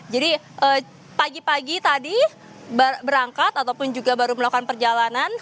jadi pagi pagi tadi berangkat ataupun juga baru melakukan perjalanan